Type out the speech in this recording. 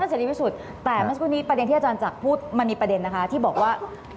แต่เมื่อสักวันนี้ประเด็นที่อาจารย์จับพูดมันมีประเด็นนะคะที่บอกว่า